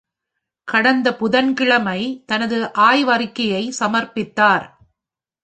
கடந்த புதன்கிழமை தனது ஆய்வறிக்கையை சமர்ப்பித்தார்.